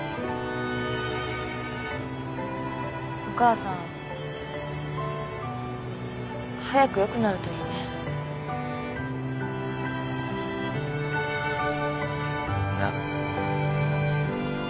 お母さん早く良くなるといいね。